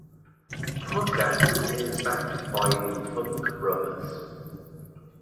Hooker is backed by the Funk Brothers.